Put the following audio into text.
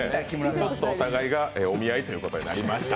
ちょっとお互いがお見合いということになりました。